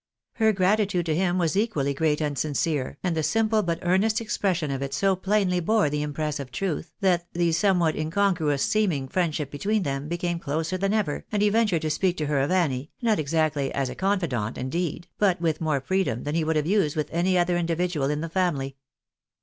Her gratitude to him was equally great and MISS LOUISA CONFESSES HEESELF PUZZLED. 213 sincere, and the simple but earnest expression of it so plainly bore tlie impress of truth, that the somewhat incongruous seeming friendship between them became closer than ever, and he ventured to speak to her of Annie, not exactly as a confidant, indeed, but with more freedom than he would have used with any other indi vidual in the family.